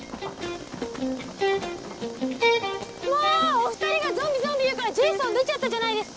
お２人が「ゾンビゾンビ」言うからジェイソン出ちゃったじゃないですか！